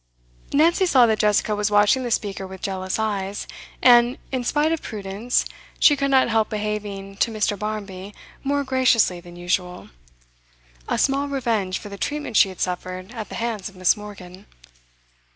Nancy saw that Jessica was watching the speaker with jealous eyes, and, in spite of prudence, she could not help behaving to Mr. Barmby more graciously than usual; a small revenge for the treatment she had suffered at the hands of Miss. Morgan.